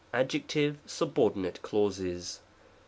Adjective Suboedinate Clauses.